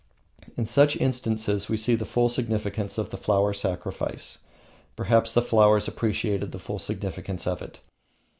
In such instances we see the full significance of the Flower Sacrifice. Perhaps the flowers appreciate the full significance of it.